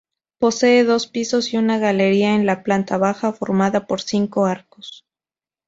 Posee dos pisos y una galería en la planta baja formada por cinco arcos.